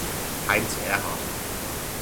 Heinz Ehrhardt